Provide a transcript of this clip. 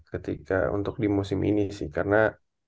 ketika untuk di musim ini sih karena